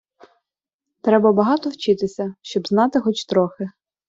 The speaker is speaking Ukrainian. Треба багато вчитися, щоб знати хоч трохи